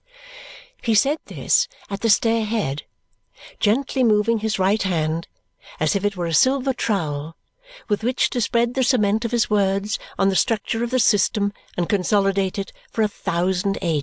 He said this at the stair head, gently moving his right hand as if it were a silver trowel with which to spread the cement of his words on the structure of the system and consolidate it for a thousand ages.